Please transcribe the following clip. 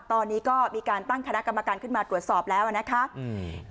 ตอนนี้ก็มีการตั้งคณะกรรมการขึ้นมาตรวจสอบแล้วนะคะ